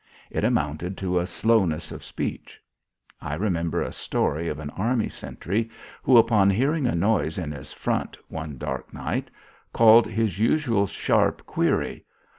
It amounted to a slowness of speech. I remember a story of an army sentry who upon hearing a noise in his front one dark night called his usual sharp query.